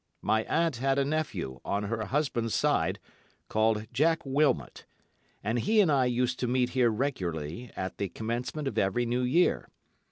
My aunt had a nephew, on her husband's side, called Jack Wilmot, and he and I used to meet here regularly at the commencement of every New Year.